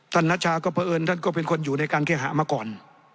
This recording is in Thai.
นัชชาก็เพราะเอิญท่านก็เป็นคนอยู่ในการเคหามาก่อน